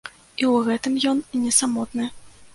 І ў гэтым ён не самотны.